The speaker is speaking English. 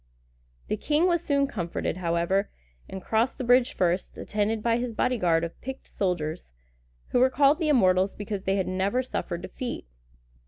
The king was soon comforted, however, and crossed the bridge first, attended by his bodyguard of picked soldiers, who were called the Immortals because they had never suffered defeat.